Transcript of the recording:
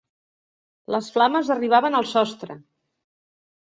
Les flames arribaven al sostre.